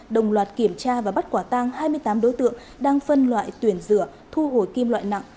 đồng loạt kiểm tra và bắt quả tang hai mươi tám đối tượng đang phân loại tuyển rửa thu hồi kim loại nặng